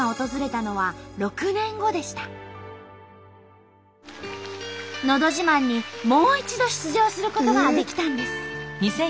「のど自慢」にもう一度出場することができたんです。